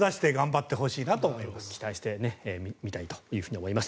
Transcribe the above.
期待してみたいと思います。